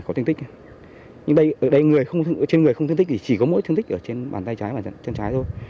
có thương tích nhưng ở đây người trên người không thương tích thì chỉ có mỗi thương tích ở trên bàn tay trái và chân trái thôi